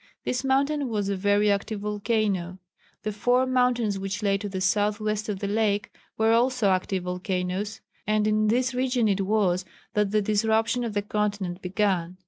This mountain was a very active volcano. The four mountains which lay to the south west of the lake were also active volcanoes, and in this region it was that the disruption of the continent began.